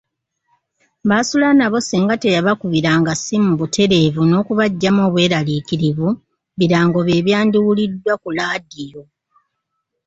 Baasula nabo singa teyabakubiranga ssimu butereevu n’okubaggyamu obweraliikirivu, birango bye byandiwuliddwa ku Laadiyo.